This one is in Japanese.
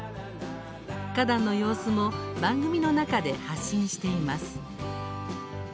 花壇の様子も番組の中で発信しています。